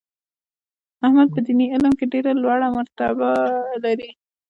احمد په دیني علم کې ډېره لوړه مرتبه لري.